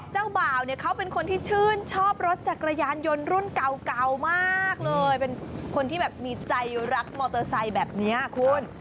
เจ้าบ่าวเนี่ยเขาเป็นคนที่ชื่นชอบรถจักรยานยนต์รุ่นเก่ามากเลยเป็นคนที่แบบมีใจรักมอเตอร์ไซค์แบบนี้คุณ